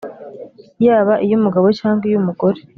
yaba iy’umugabo cyangwa iy’umugore,